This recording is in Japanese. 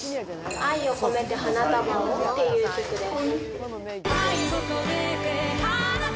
愛をこめて花束をっていう曲です。